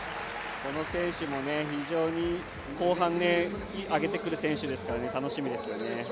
この選手も非常に後半上げてくる選手ですから楽しみですよね。